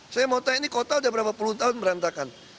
saya mau tanya ini kota udah berapa puluh tahun berantakan